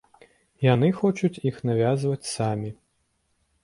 Яны хочуць іх навязваць самі.